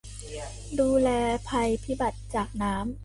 ดูแลภัยพิบัติจากน้ำ